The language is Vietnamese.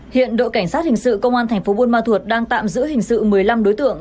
hiện đội cảnh sát hình sự công an thành phố buôn ma thuột đang tạm giữ hình sự một mươi năm đối tượng